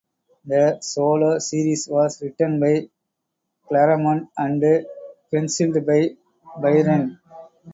The solo series was written by Claremont and pencilled by Byrne.